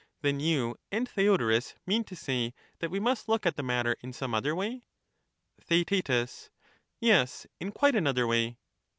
Then you and Theodorus mean to say that we must A new start, look at the matter in some other way ? Theaet. Yes, in quite another way.